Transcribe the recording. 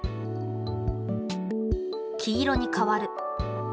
黄色に変わる。